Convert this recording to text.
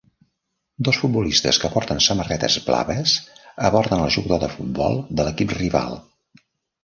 Dos futbolistes que porten samarretes blaves aborden el jugador de futbol de l'equip rival.